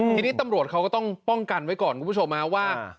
ทีนี้ตำรวจเขาก็ต้องป้องกันไว้ก่อนคุณผู้ชมว่า